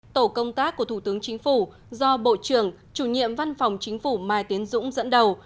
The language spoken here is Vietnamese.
tổ công tác của thủ tướng chính phủ do bộ trưởng chủ nhiệm văn phòng chính phủ mai tiến dũng dẫn đầu